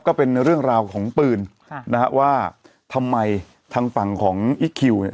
ก็เป็นเรื่องราวของปืนค่ะนะฮะว่าทำไมทางฝั่งของอีคคิวเนี่ย